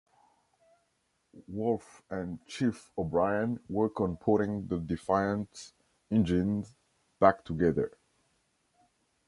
Worf and Chief O'Brien work on putting the "Defiant"s engines back together.